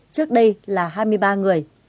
trước đây là hai mươi ba người